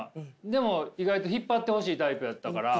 でも意外と引っ張ってほしいタイプやったから。